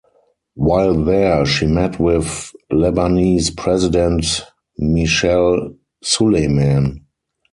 While there she met with Lebanese president Michel Suleiman.